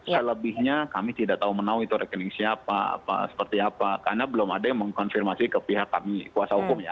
selebihnya kami tidak tahu menau itu rekening siapa seperti apa karena belum ada yang mengkonfirmasi ke pihak kami kuasa hukum ya